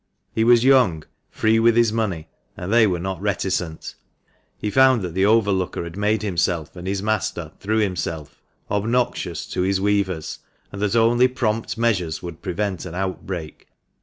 He was young, free with his money, and they were not reticent. He found that the overlooker had made himself, and his master 238 THE MANCHESTER MAN. through himself, obnoxious to his weavers, and that only prompt measures would prevent an outbreak.